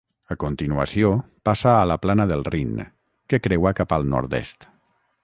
A continuació, passa a la Plana del Rin, que creua cap al nord-est.